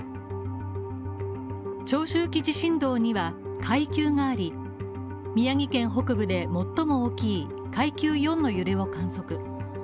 長周期地震動には階級があり、宮城県北部で最も大きい階級４の揺れを観測。